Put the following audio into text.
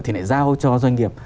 thì lại giao cho doanh nghiệp